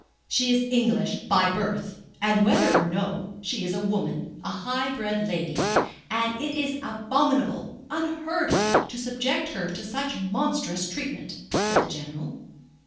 "She is English by birth, and whether or no, she is a woman, a high bred lady; and it is abominable, unheard of, to subject her to such monstrous treatment," said the General.